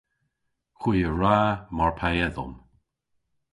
Hwi a wra mar pe edhom.